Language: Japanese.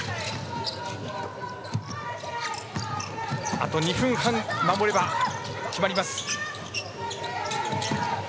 あと２分半守れば決まります。